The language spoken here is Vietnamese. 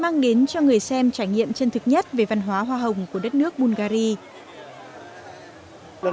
mang đến cho người xem trải nghiệm chân thực nhất về văn hóa hoa hồng của đất nước bungary